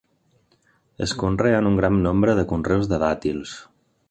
Es conreen un gran nombre de conreus de dàtils.